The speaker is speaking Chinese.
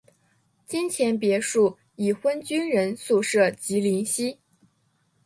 金钱别墅已婚军人宿舍及林夕。